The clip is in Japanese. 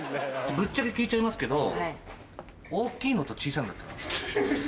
ぶっちゃけ聞いちゃいますけど大きいのと小さいのだったら？